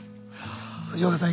藤岡さん